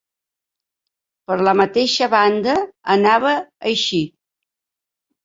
Per la mateixa banda anava a eixir